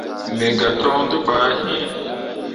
Me gah toŋ te bah he.